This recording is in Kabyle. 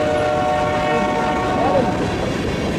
Ur tḥeqqeɣ ara mliḥ.